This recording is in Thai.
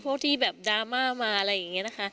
พวกที่แบบดราม่ามาอะไรอย่างนี้นะคะ